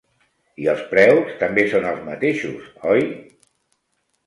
I els preus també són els mateixos, oi?